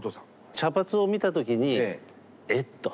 茶髪を見た時に「えっ？」と。